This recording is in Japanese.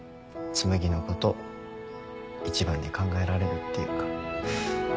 紬のこと一番に考えられるっていうか。